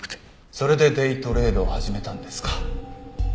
それでデイトレードを始めたんですか。